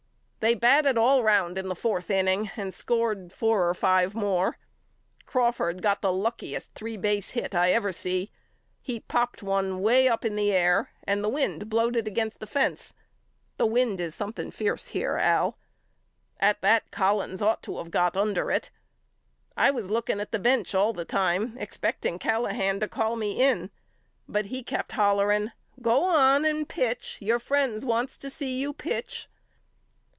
They batted all round in the forth inning and scored four or five more. Crawford got the lucki est three base hit I ever see. He popped one way up in the air and the wind blowed it against the fence. The wind is something fierce here Al. At that Collins ought to of got under it. I was looking at the bench all the time expect ing Callahan to call me in but he kept hollering Go on and pitch. Your friends wants to see you pitch.